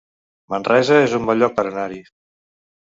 Manresa es un bon lloc per anar-hi